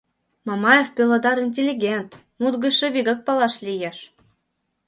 — Мамаев пелодар интеллигент, мут гычше вигак палаш лиеш...